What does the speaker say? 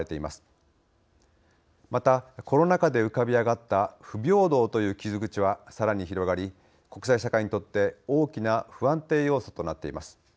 またコロナ禍で浮かび上がった不平等という傷口はさらに広がり国際社会にとって大きな不安定要素となっています。